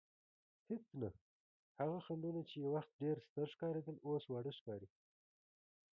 هېڅ نه، هغه خنډونه چې یو وخت ډېر ستر ښکارېدل اوس واړه ښکاري.